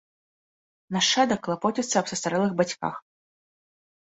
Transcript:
Нашчадак клапоціцца аб састарэлых бацьках.